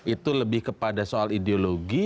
itu lebih kepada soal ideologi